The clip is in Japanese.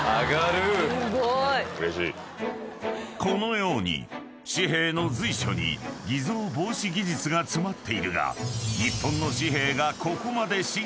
［このように紙幣の随所に偽造防止技術が詰まっているが］